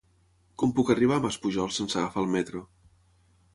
Com puc arribar a Maspujols sense agafar el metro?